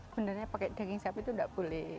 benarnya pakai daging sapi itu enggak boleh